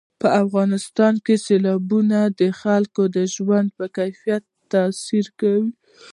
په افغانستان کې سیلابونه د خلکو د ژوند په کیفیت تاثیر کوي.